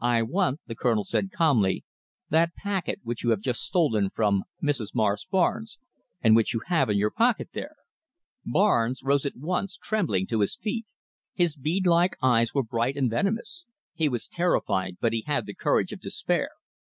"I want," the Colonel said calmly, "that packet which you have just stolen from Mrs. Morris Barnes, and which you have in your pocket there!" Barnes rose at once, trembling, to his feet. His bead like eyes were bright and venomous. He was terrified, but he had the courage of despair.